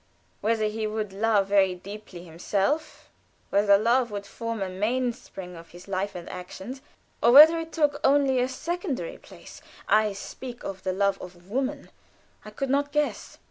Whether he would love very deeply himself, whether love would form a mainspring of his life and actions, or whether it took only a secondary place I speak of the love of woman I could not guess.